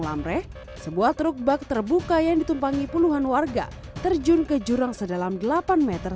lamre sebuah truk bak terbuka yang ditumpangi puluhan warga terjun ke jurang sedalam delapan meter